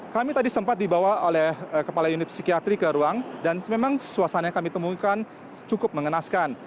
kami tadi sempat dibawa oleh kepala unit psikiatri ke ruang dan memang suasana yang kami temukan cukup mengenaskan